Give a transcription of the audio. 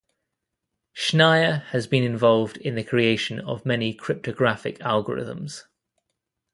Schneier has been involved in the creation of many cryptographic algorithms.